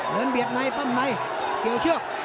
เบียดในปั้นในเกี่ยวเชือก